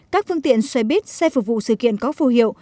các phương tiện xe buýt xe phục vụ sự kiện có phù hiệu